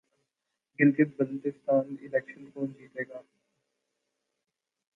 Gilgit Baltistan election کون جیتےگا